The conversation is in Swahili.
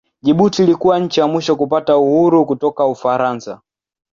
Jibuti ilikuwa nchi ya mwisho kupata uhuru kutoka Ufaransa.